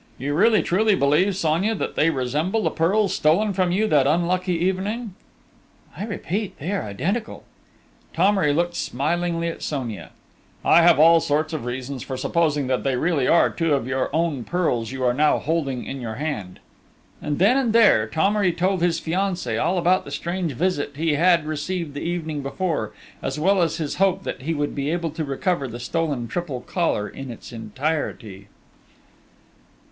"You really, truly believe, Sonia, that they resemble the pearls stolen from you that unlucky evening?" "I repeat they are identical!" Thomery looked smilingly at Sonia. "Well, then, my dear one, I do not think you are mistaken!... I have all sorts of reasons for supposing that they really are two of your own pearls you are now holding in your hand...." And, then and there, Thomery told his fiancée all about the strange visit he had received the evening before, as well as his hope that he would be able to recover the stolen triple collar in its entirety.